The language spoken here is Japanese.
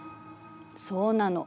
そうなの。